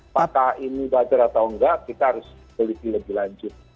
apakah ini wajar atau tidak kita harus lebih lanjut